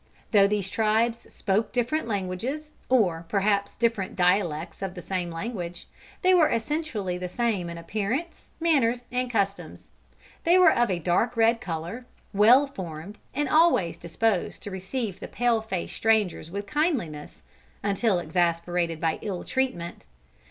Though these tribes spoke different languages, or perhaps different dialects of the same language, they were essentially the same in appearance, manners and customs. They were of a dark red color, well formed and always disposed to receive the pale face strangers with kindliness, until exasperated by ill treatment.